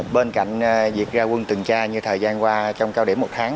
bên cạnh việc ra quân tuần tra như thời gian qua trong cao điểm một tháng